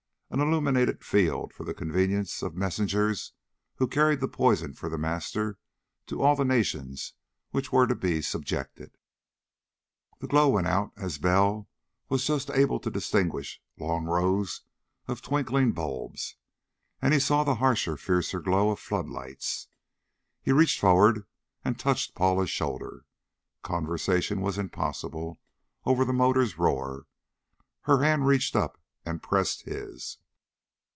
An illuminated field, for the convenience of messengers who carried the poison for The Master to all the nations which were to be subjected. The glow went out as Bell was just able to distinguish long rows of twinkling bulbs, and he saw the harsher, fiercer glow of floodlights. He reached forward and touched Paula's shoulder. Conversation was impossible over the motor's roar. Her hand reached up and pressed his.